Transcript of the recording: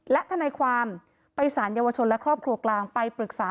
และทนายความไปสารเยาวชนและครอบครัวกลางไปปรึกษา